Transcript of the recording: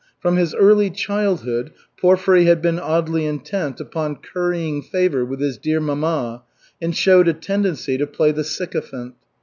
From his early childhood Porfiry had been oddly intent upon currying favor with his "dear mamma" and showed a tendency to play the sycophant.